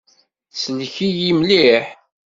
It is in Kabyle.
Tsellek-iyi mliḥ.